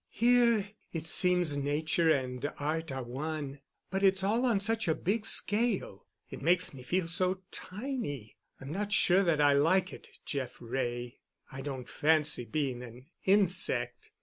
"Here it seems Nature and Art are one. But it's all on such a big scale. It makes me feel so tiny—I'm not sure that I like it, Jeff Wray. I don't fancy being an insect.